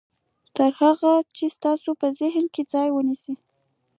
تر هغه چې ستاسې په ذهن کې ځای ونيسي.